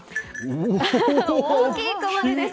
大きい熊手です。